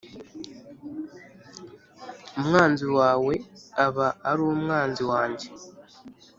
Umwanzi wawe aba ari umwanzi wanjye